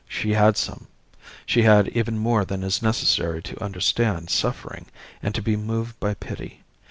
She had some. She had even more than is necessary to understand suffering and to be moved by pity.